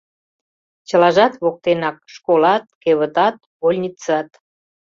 Чылажат воктенак: школат, кевытат, больницат.